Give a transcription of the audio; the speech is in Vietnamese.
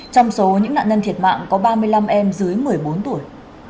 trong số những nạn nhân thiệt mạng có ba mươi năm em dưới một mươi bốn tuổi